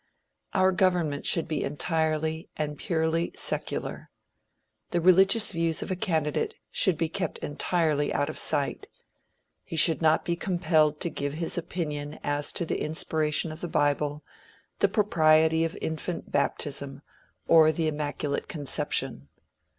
Our government should be entirely and purely secular. The religious views of a candidate should be kept entirely out of sight. He should not be compelled to give his opinion as to the inspiration of the bible, the propriety of infant baptism, or the immaculate conception.